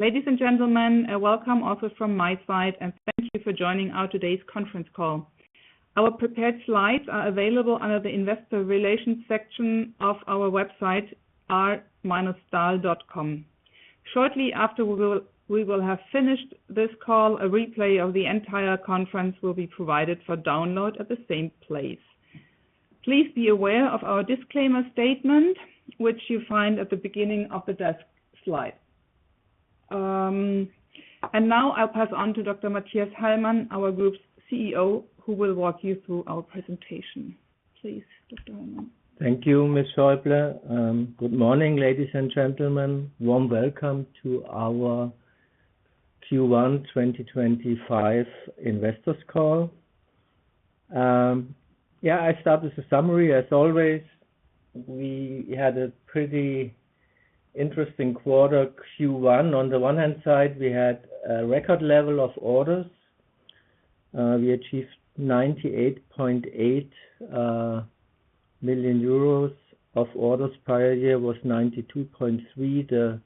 Ladies and gentlemen, welcome also from my side, and thank you for joining our today's conference call. Our prepared slides are available under the Investor Relations section of our website, r-stahl.com. Shortly after we will have finished this call, a replay of the entire conference will be provided for download at the same place. Please be aware of our disclaimer statement, which you find at the beginning of the desk slide. Now I'll pass on to Dr. Mathias Hallmann, our group's CEO, who will walk you through our presentation. Please, Dr. Hallmann. Thank you, Ms. Schäuble. Good morning, ladies and gentlemen. Warm welcome to our Q1 2025 investors call. Yeah, I start with a summary, as always. We had a pretty interesting quarter, Q1. On the one hand side, we had a record level of orders. We achieved 98.8 million euros of orders. Prior year was 92.3 million. The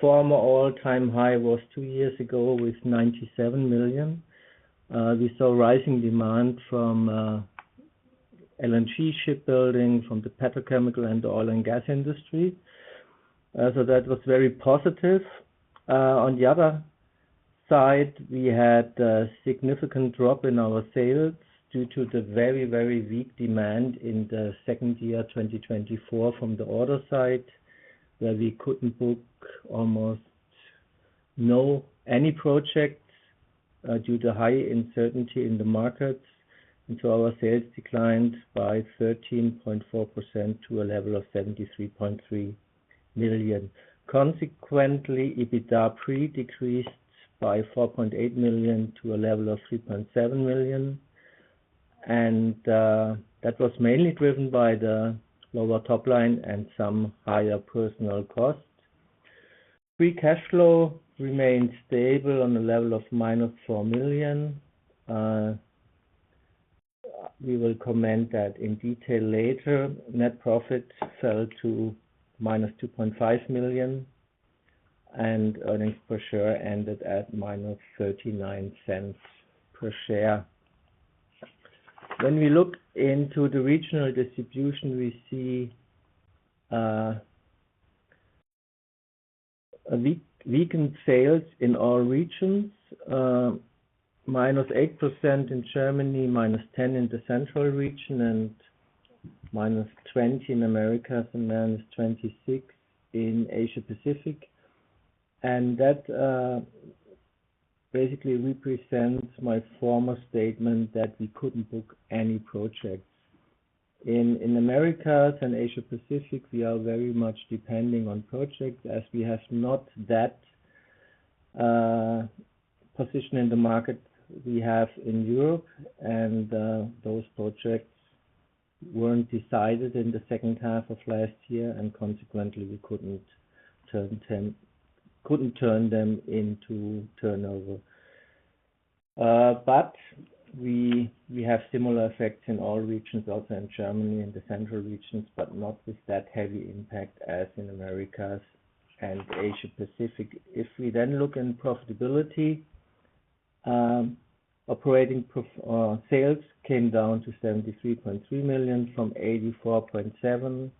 former all-time high was two years ago with 97 million. We saw rising demand from LNG shipbuilding, from the petrochemical and oil and gas industry. That was very positive. On the other side, we had a significant drop in our sales due to the very, very weak demand in the second year 2024 from the order side, where we could not book almost any projects due to high uncertainty in the markets. Our sales declined by 13.4% to a level of 73.3 million. Consequently, EBITDA pre decreased by 4.8 million to a level of 3.7 million. That was mainly driven by the lower top line and some higher personnel costs. Free cash flow remained stable on a level of negative 4 million. We will comment on that in detail later. Net profit fell to 2.5 million, and earnings per share ended at 0.39 per share. When we look into the regional distribution, we see weakened sales in all regions, -8% in Germany, -10% in the Central Region, -20% in Americas, and -26% in Asia-Pacific. That basically represents my former statement that we could not book any projects. In Americas and Asia-Pacific, we are very much depending on projects as we do not have that position in the market we have in Europe. Those projects were not decided in the second half of last year, and consequently, we could not turn them into turnover. We have similar effects in all regions, also in Germany and the Central Regions, but not with that heavy impact as in Americas and Asia-Pacific. If we then look in profitability, operating sales came down to 73.3 million from 84.7 million.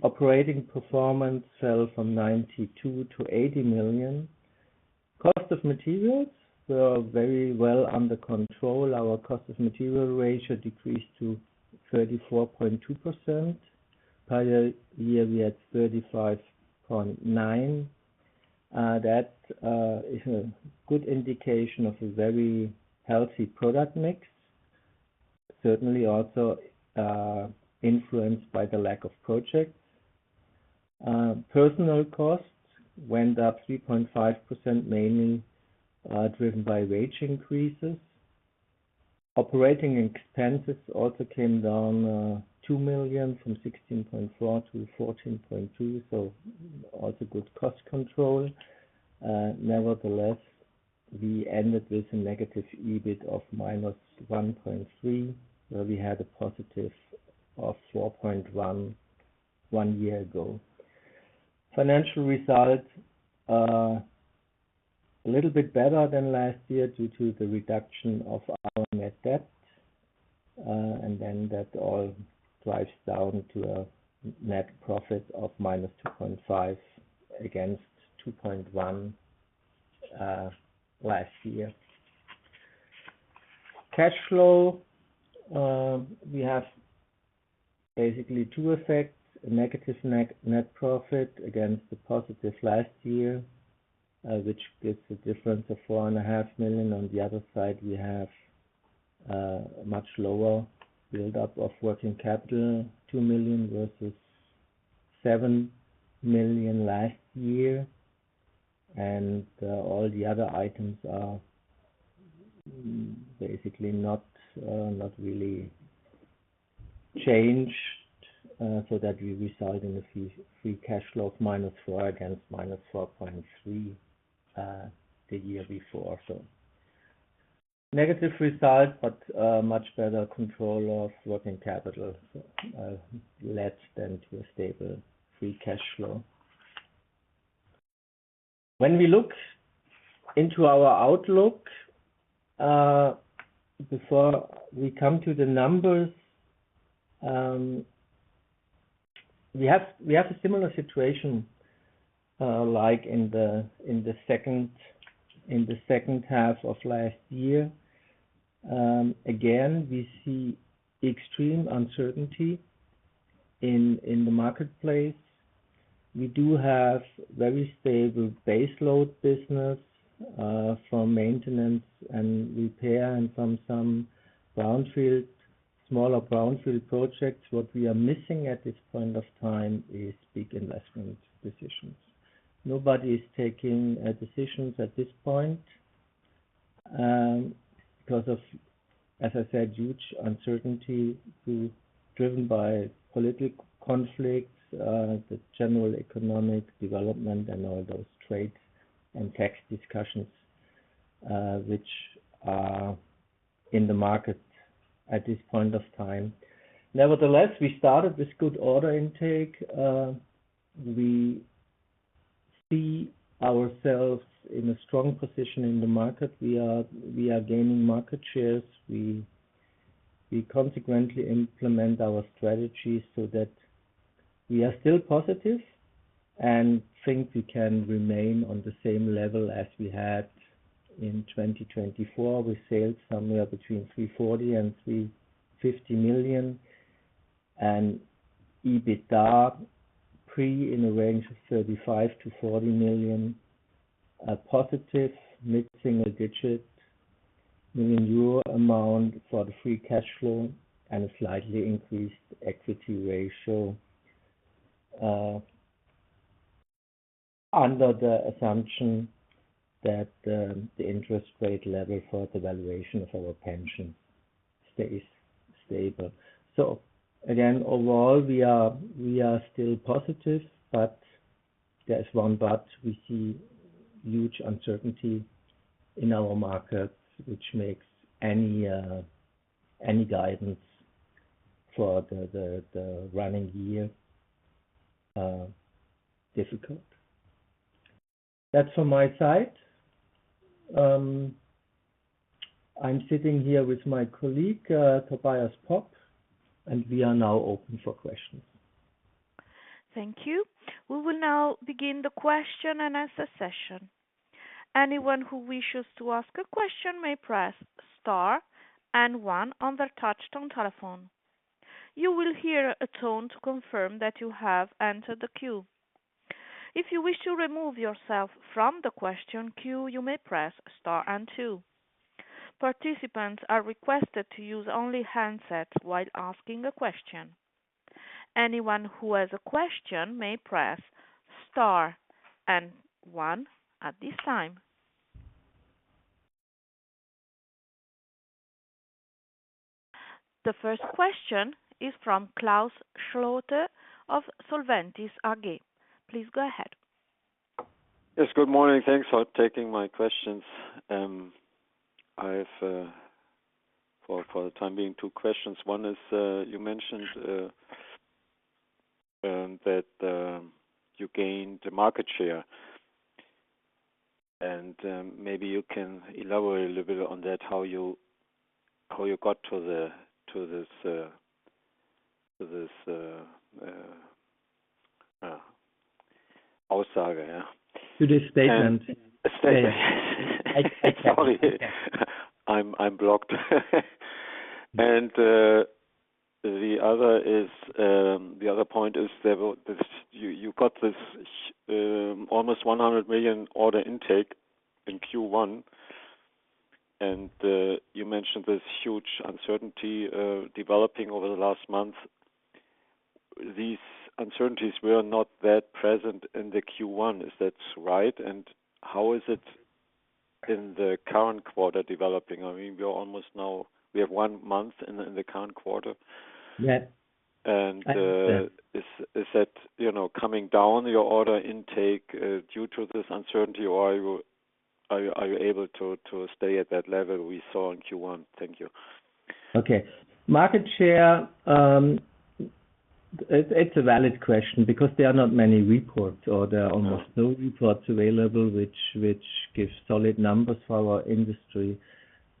Operating performance fell from 92 million to 80 million. Cost of materials were very well under control. Our cost of material ratio decreased to 34.2%. Prior year, we had 35.9%. That is a good indication of a very healthy product mix, certainly also influenced by the lack of projects. Personnel costs went up 3.5%, mainly driven by wage increases. Operating expenses also came down 2 million from 16.4 million to 14.2 million, so also good cost control. Nevertheless, we ended with a negative EBIT of -1.3, where we had a + 4.1 one year ago. Financial results a little bit better than last year due to the reduction of our net debt. That all drives down to a net profit of -2.5 million against 2.1 million last year. Cash flow, we have basically two effects: a negative net profit against the positive last year, which gives a difference of 4.5 million. On the other side, we have a much lower build-up of working capital, 2 million versus 7 million last year. All the other items are basically not really changed, so that we result in a free cash flow of -4 million against -4.3 million the year before. Negative result, but much better control of working capital, less than to a stable free cash flow. When we look into our outlook, before we come to the numbers, we have a similar situation like in the second half of last year. Again, we see extreme uncertainty in the marketplace. We do have very stable baseload business from maintenance and repair and from some smaller brownfield projects. What we are missing at this point of time is big investment decisions. Nobody is taking decisions at this point because of, as I said, huge uncertainty driven by political conflicts, the general economic development, and all those trades and tax discussions which are in the market at this point of time. Nevertheless, we started with good order intake. We see ourselves in a strong position in the market. We are gaining market shares. We consequently implement our strategy so that we are still positive and think we can remain on the same level as we had in 2024. We sailed somewhere between 340 million-350 million. EBITDA pre in a range of 35 million-40 million, positive, mid-single-digit million euro amount for the free cash flow and a slightly increased equity ratio under the assumption that the interest rate level for the valuation of our pension stays stable. Again, overall, we are still positive, but there is one but. We see huge uncertainty in our markets, which makes any guidance for the running year difficult. That is from my side. I am sitting here with my colleague, Tobias Popp, and we are now open for questions. Thank you. We will now begin the question and answer session. Anyone who wishes to ask a question may press star and one on their touchstone telephone. You will hear a tone to confirm that you have entered the queue. If you wish to remove yourself from the question queue, you may press star and two. Participants are requested to use only handsets while asking a question. Anyone who has a question may press star and one at this time. The first question is from Klaus Schlote of Solventis AG. Please go ahead. Yes, good morning. Thanks for taking my questions. I have, for the time being, two questions. One is you mentioned that you gained market share. Maybe you can elaborate a little bit on that, how you got to this Aussage, yeah? To this statement. Statement. Sorry. I'm blocked. The other point is you got this almost 100 million order intake in Q1. You mentioned this huge uncertainty developing over the last month. These uncertainties were not that present in Q1. Is that right? How is it in the current quarter developing? I mean, we are almost now, we have one month in the current quarter. Yes. Is that coming down, your order intake, due to this uncertainty, or are you able to stay at that level we saw in Q1? Thank you. Okay. Market share, it's a valid question because there are not many reports, or there are almost no reports available, which gives solid numbers for our industry.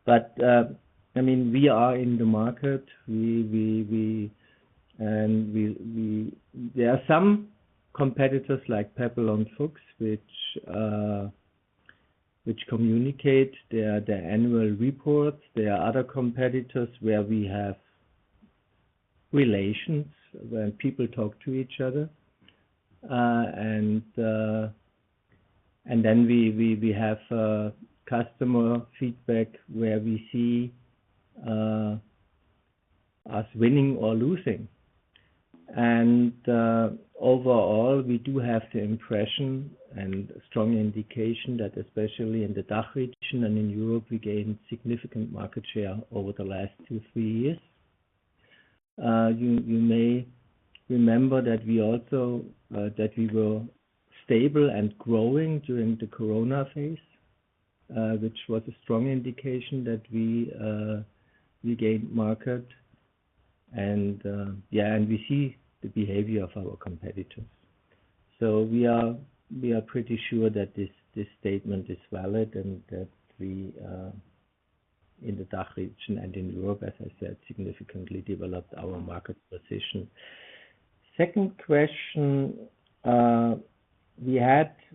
I mean, we are in the market. There are some competitors like Pepperl+Fuchs, which communicate their annual reports. There are other competitors where we have relations when people talk to each other. Then we have customer feedback where we see us winning or losing. Overall, we do have the impression and strong indication that especially in the DACH region and in Europe, we gained significant market share over the last two, three years. You may remember that we were stable and growing during the corona phase, which was a strong indication that we gained market. Yeah, and we see the behavior of our competitors. We are pretty sure that this statement is valid and that we in the DACH region and in Europe, as I said, significantly developed our market position. Second question,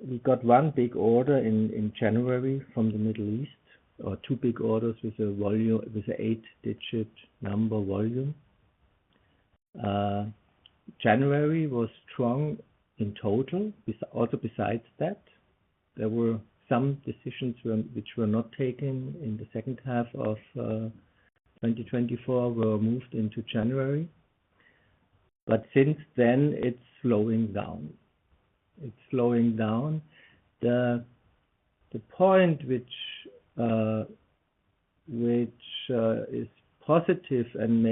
we got one big order in January from the Middle East, or two big orders with an eight-digit number volume. January was strong in total. Also, besides that, there were some decisions which were not taken in the second half of 2024, were moved into January. Since then, it is slowing down. It is slowing down. The point which is positive and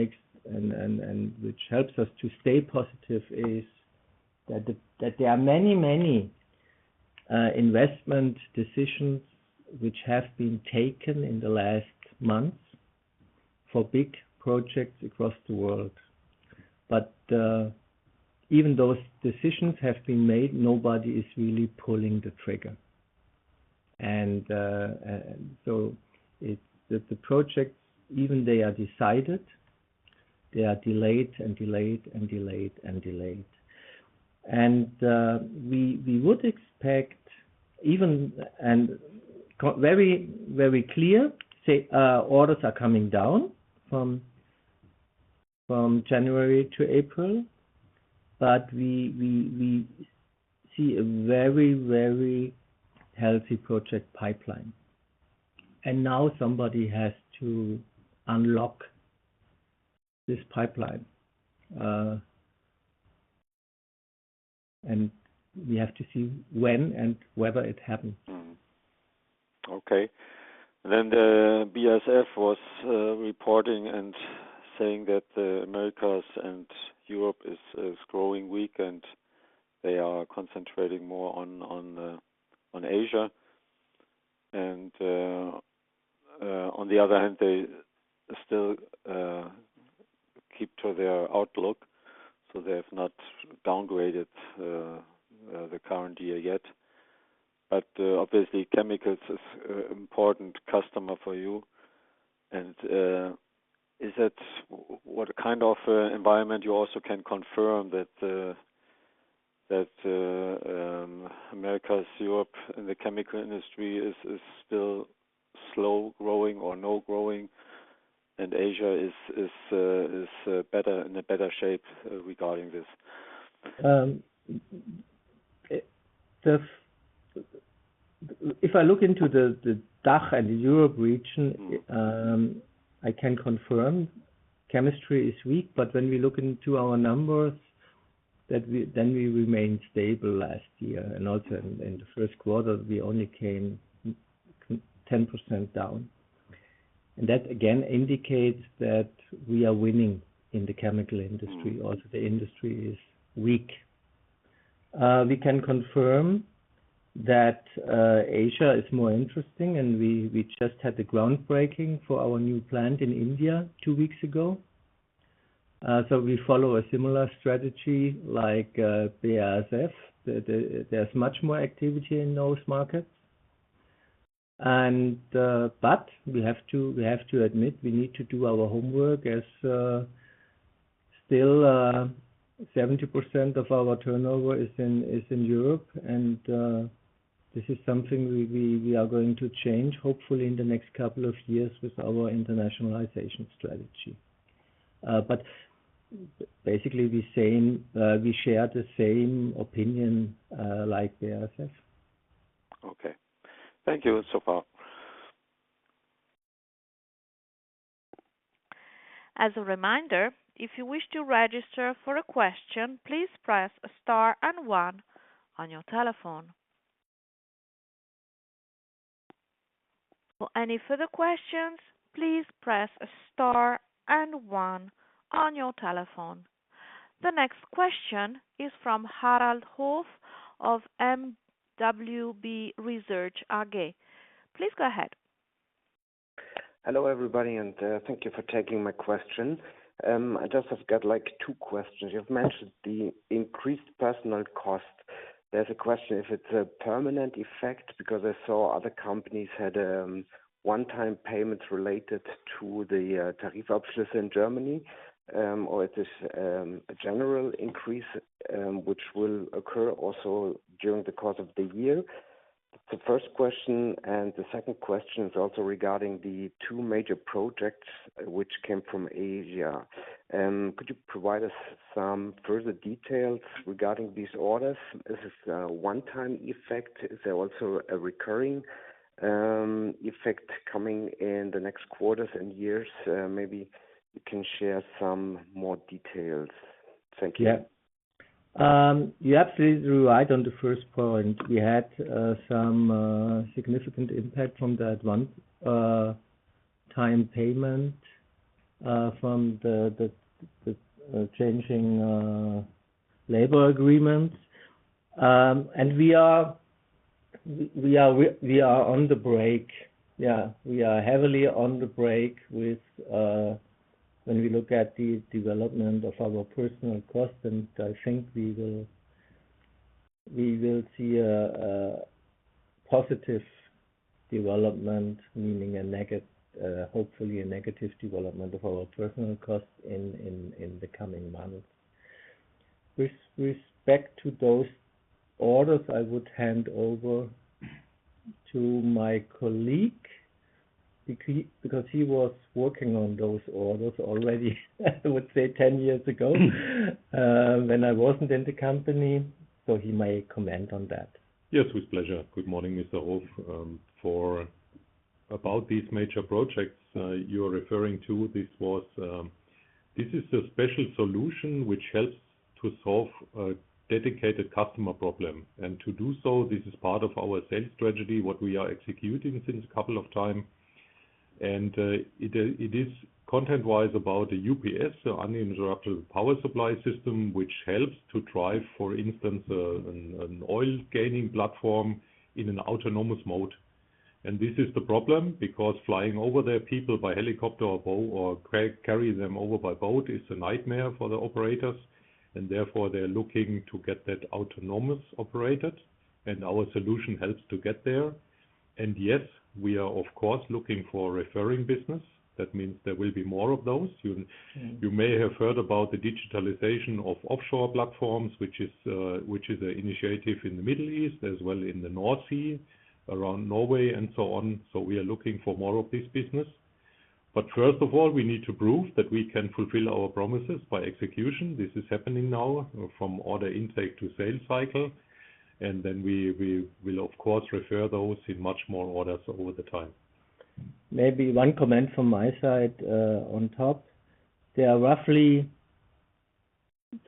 which helps us to stay positive is that there are many, many investment decisions which have been taken in the last months for big projects across the world. Even though those decisions have been made, nobody is really pulling the trigger. The projects, even though they are decided, are delayed and delayed and delayed and delayed. We would expect even and very, very clear orders are coming down from January to April. We see a very, very healthy project pipeline. Now somebody has to unlock this pipeline. We have to see when and whether it happens. Okay. The BASF was reporting and saying that the Americas and Europe is growing weak, and they are concentrating more on Asia. On the other hand, they still keep to their outlook. They have not downgraded the current year yet. Obviously, chemicals is an important customer for you. Is that what kind of environment you also can confirm, that Americas, Europe in the chemical industry is still slow growing or no growing, and Asia is in a better shape regarding this? If I look into the DACH and the Europe region, I can confirm chemistry is weak. When we look into our numbers, then we remained stable last year. Also, in the first quarter, we only came 10% down. That again indicates that we are winning in the chemical industry. Also, the industry is weak. We can confirm that Asia is more interesting, and we just had the groundbreaking for our new plant in India two weeks ago. We follow a similar strategy like BASF. There is much more activity in those markets. We have to admit we need to do our homework as still 70% of our turnover is in Europe. This is something we are going to change, hopefully in the next couple of years with our internationalization strategy. Basically, we share the same opinion like BASF. Okay. Thank you so far. As a reminder, if you wish to register for a question, please press star and one on your telephone. For any further questions, please press star and one on your telephone. The next question is from Harald Hof of MWB Research AG. Please go ahead. Hello everybody, and thank you for taking my question. I just have got like two questions. You've mentioned the increased personnel cost. There's a question if it's a permanent effect because I saw other companies had one-time payments related to the tariff upslips in Germany, or it is a general increase which will occur also during the course of the year. The first question and the second question is also regarding the two major projects which came from Asia. Could you provide us some further details regarding these orders? Is this a one-time effect? Is there also a recurring effect coming in the next quarters and years? Maybe you can share some more details. Thank you. Yeah. You're absolutely right on the first point. We had some significant impact from the time payment from the changing labor agreements. We are on the break. Yeah, we are heavily on the break when we look at the development of our personnel costs. I think we will see a positive development, meaning hopefully a negative development of our personnel costs in the coming months. With respect to those orders, I would hand over to my colleague because he was working on those orders already, I would say, 10 years ago when I wasn't in the company. He may comment on that. Yes, with pleasure. Good morning, Mr. Hof. For about these major projects you are referring to, this is a special solution which helps to solve a dedicated customer problem. To do so, this is part of our sales strategy, what we are executing since a couple of times. It is content-wise about a UPS, uninterruptible power supply system, which helps to drive, for instance, an oil gaining platform in an autonomous mode. This is the problem because flying over there people by helicopter or carry them over by boat is a nightmare for the operators. Therefore, they are looking to get that autonomous operated. Our solution helps to get there. Yes, we are, of course, looking for referring business. That means there will be more of those. You may have heard about the digitalization of offshore platforms, which is an initiative in the Middle East as well in the North Sea around Norway and so on. We are looking for more of this business. First of all, we need to prove that we can fulfill our promises by execution. This is happening now from order intake to sales cycle. We will, of course, refer those in much more orders over the time. Maybe one comment from my side on top. There are roughly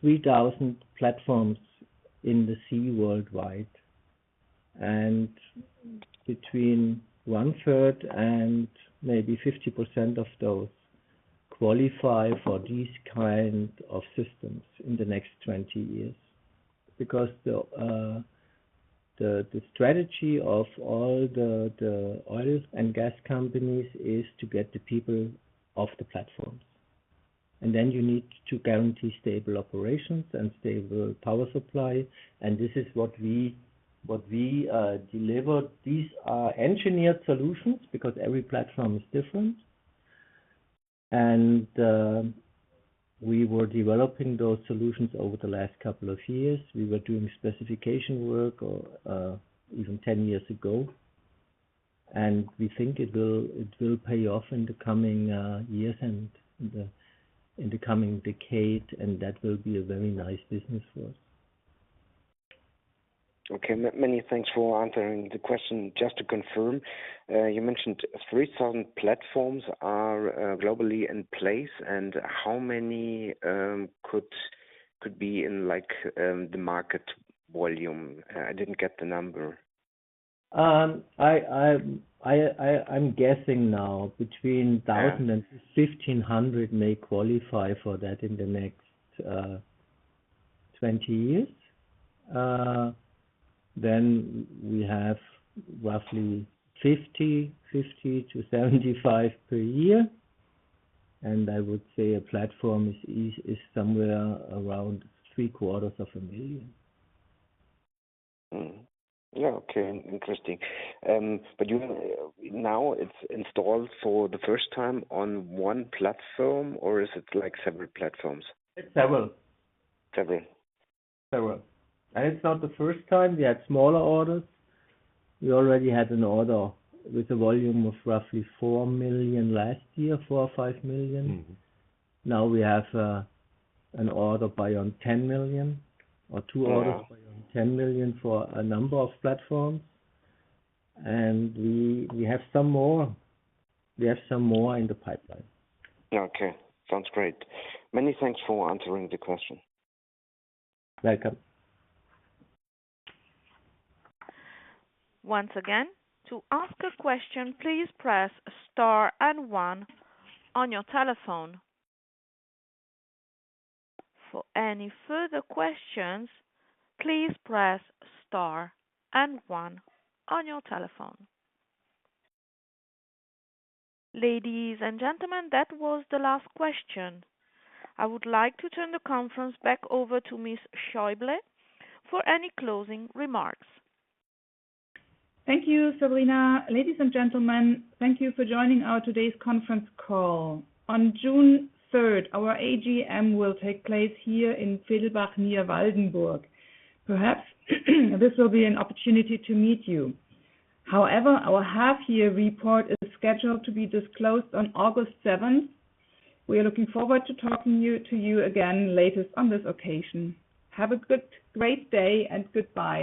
3,000 platforms in the sea worldwide. Between 1/3 and maybe 50% of those qualify for these kinds of systems in the next 20 years because the strategy of all the oil and gas companies is to get the people off the platforms. You need to guarantee stable operations and stable power supply. This is what we delivered. These are engineered solutions because every platform is different. We were developing those solutions over the last couple of years. We were doing specification work even 10 years ago. We think it will pay off in the coming years and in the coming decade. That will be a very nice business for us. Okay. Many thanks for answering the question. Just to confirm, you mentioned 3,000 platforms are globally in place. And how many could be in the market volume? I didn't get the number. I'm guessing now between 1,000 and 1,500 may qualify for that in the next 20 years. Then we have roughly 50-75 per year. I would say a platform is somewhere around 0.75 million. Yeah. Okay. Interesting. Now it's installed for the first time on one platform, or is it like several platforms? It's several. Several. Several. It's not the first time. We had smaller orders. We already had an order with a volume of roughly 4 million last year, 4 million-5 million. Now we have an order by 10 million or two orders by 10 million for a number of platforms. We have some more. We have some more in the pipeline. Okay. Sounds great. Many thanks for answering the question. Welcome. Once again, to ask a question, please press star and one on your telephone. For any further questions, please press star and one on your telephone. Ladies and gentlemen, that was the last question. I would like to turn the conference back over to Ms. Schäuble for any closing remarks. Thank you, Sabrina. Ladies and gentlemen, thank you for joining our today's conference call. On June 3rd, our AGM will take place here in Fehlbach near Waldenburg. Perhaps this will be an opportunity to meet you. However, our half-year report is scheduled to be disclosed on August 7th. We are looking forward to talking to you again latest on this occasion. Have a great day and goodbye.